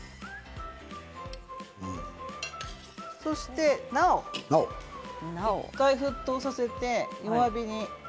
そしてなお１回沸騰させて弱火に。